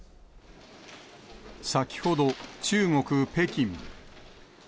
先ほど、中国・北京。